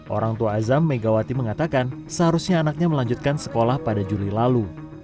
orang tua azam megawati mengatakan seharusnya anaknya melanjutkan sekolah pada juli lalu